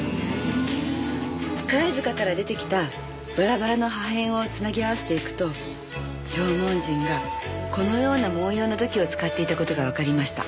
貝塚から出てきたバラバラの破片を繋ぎ合わせていくと縄文人がこのような文様の土器を使っていた事がわかりました。